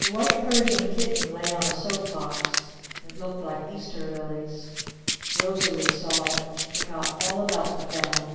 The White Persian Kitten lay on a soap box. It looked like Easter Lilies. Rosalee saw it. She forgot all about the fan.